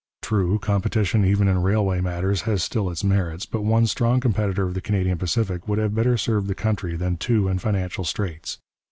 True, competition even in railway matters has still its merits, but one strong competitor of the Canadian Pacific would have better served the country than two in financial straits.